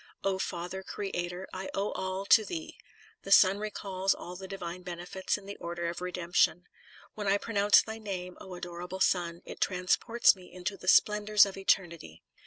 O Father Creator, I owe all to thee. The Son recalls all the divine benefits in the order of Redemption. When I pronounce thy name, O adorable Son, it transports me into the splendors of eternity.